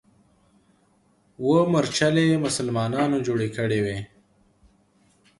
اوه مورچلې مسلمانانو جوړې کړې وې.